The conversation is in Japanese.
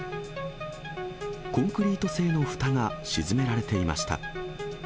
コンクリート製のふたが沈められていました。